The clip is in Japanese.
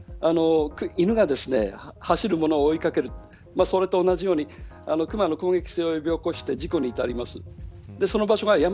犬が走るものを追い掛けるそれと同じようにクマも攻撃性を呼び起こして事故に至ります。